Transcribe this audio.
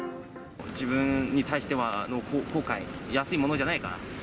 自分に対しては後悔、安いものじゃないから。